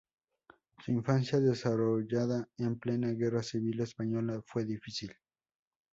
Su infancia, desarrollada en plena Guerra Civil española fue difícil.